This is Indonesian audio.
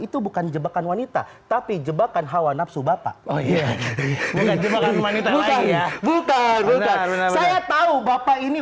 itu bukan jebakan wanita tapi jebakan hawa nafsu bapak oh iya bukan saya tahu bapak ini